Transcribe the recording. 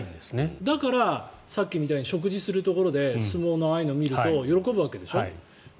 だから、さっきみたいに食事するところで相撲のああいうのを見ると喜ぶわけでしょ。